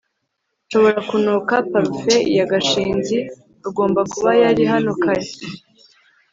nshobora kunuka parufe ya gashinzi agomba kuba yari hano kare